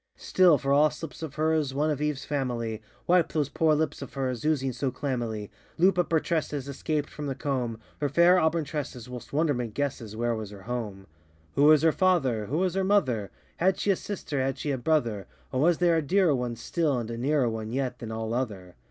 Still, for all slips of hers, One of EveŌĆÖs familyŌĆö Wipe those poor lips of hers Oozing so clammily, Loop up her tresses Escaped from the comb, Her fair auburn tresses; Whilst wonderment guesses Where was her home? Who was her father? Who was her mother? Had she a sister? Had she a brother? Or was there a dearer one Still, and a nearer one Yet, than all other?